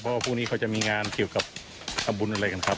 เพราะว่าพรุ่งนี้เขาจะมีงานเกี่ยวกับทำบุญอะไรกันครับ